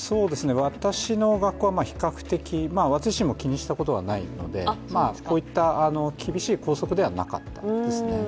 私の学校は比較的、私自身も気にしたことはないのでこういった厳しい校則ではなかったですね。